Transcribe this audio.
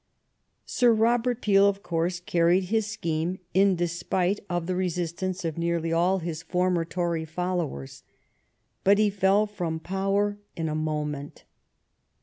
Sir Robert Peel, of course, carried his scheme in despite of the re THE FREE TRADE STRUGGLE 109 sistance of nearly all his former Tory followers. But he fell from power in a moment.